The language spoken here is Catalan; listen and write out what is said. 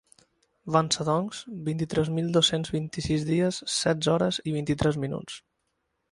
Van ser, doncs, vint-i-tres mil dos-cents vint-i-sis dies, setze hores i vint-i-tres minuts.